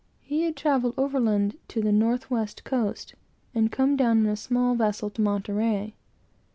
He had travelled overland to the North west Coast, and come down in a small vessel to Monterey.